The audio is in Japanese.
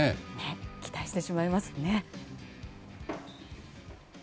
期待してしまいますね。